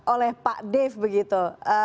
oleh pak dave begitu